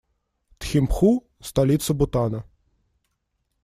Тхимпху - столица Бутана.